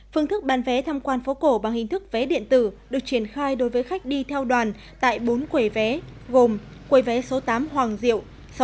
phương thức bán vé tham quan phố cổ bằng hình thức vé điện tử được triển khai đối với khách đi theo đoàn tại bốn quầy vé gồm quầy vé số tám hoàng diệu